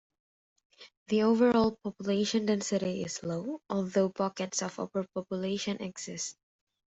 The overall population density is low, although pockets of overpopulation exist.